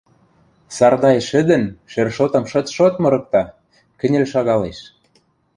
Сардай шӹдӹн, шершотым шыт-шот мырыкта, кӹньӹл шагалеш.